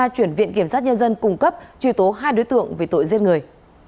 chuyển viện kiểm sát nhân dân cung cấp truy tố hai đối tượng về tội giết người